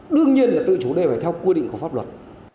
đương nhiên là tự chủ đề phải theo quy định của pháp luật